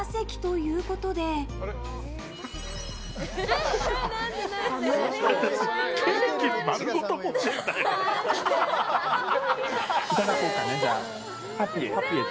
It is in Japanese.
いただこうかね、パピエ。